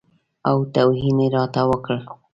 او توهین یې راته وکړ.